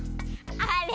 あれ？